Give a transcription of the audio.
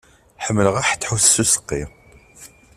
Ḥemmleɣ aḥetḥut s useqqi.